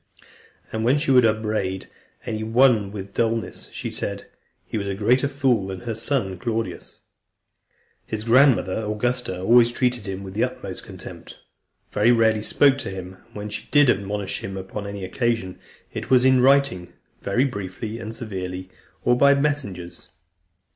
And when she would upbraid any one with dulness, she said, "He was a greater fool than her son, Claudius." His grandmother, Augusta, always treated him with the utmost contempt, very rarely spoke to him, and when she did admonish him upon any occasion, it was in writing, very briefly and severely, or by messengers.